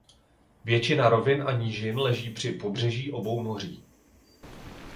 Většina rovin a nížin leží při pobřeží obou moří.